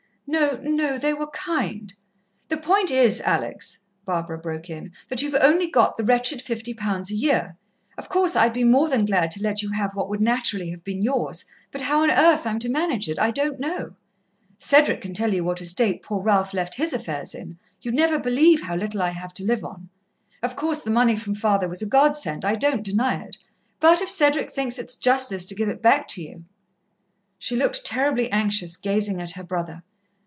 "No no. They were kind " "The point is, Alex," Barbara broke in, "that you've only got the wretched fifty pounds a year. Of course, I'd be more than glad to let you have what would naturally have been yours but how on earth I'm to manage it, I don't know. Cedric can tell you what a state poor Ralph left his affairs in you'd never believe how little I have to live on. Of course, the money from father was a godsend, I don't deny it. But if Cedric thinks it's justice to give it back to you " She looked terribly anxious, gazing at her brother.